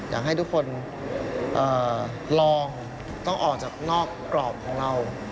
อยากให้ทุกคนลองต้องออกจากนอกกรอบของเรา